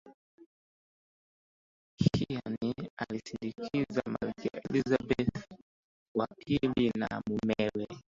Hearne alimsindikiza Malkia Elizabeth wa pili na mumewe